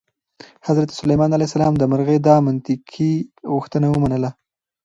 حضرت سلیمان علیه السلام د مرغۍ دا منطقي غوښتنه ومنله.